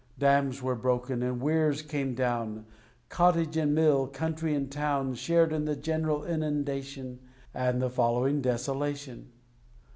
Dams were broken and weirs came down; Cottage and mill, country and town, Shared in the general inundation, And the following desolation.